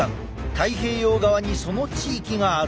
太平洋側にその地域がある。